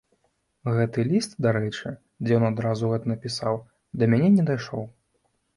Гэты ліст, дарэчы, дзе ён адразу гэта напісаў, да мяне не дайшоў.